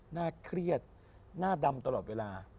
หน้าเครียดหน้าดำตลอดเวลา